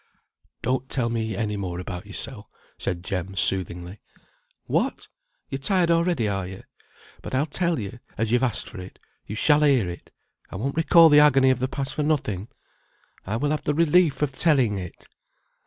"Don't tell me any more about yoursel," said Jem, soothingly. "What! you're tired already, are you? but I'll tell you; as you've asked for it, you shall hear it. I won't recall the agony of the past for nothing. I will have the relief of telling it.